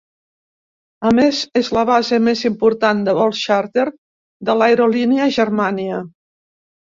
A més, és la base més important de vols xàrter de l'aerolínia Germania.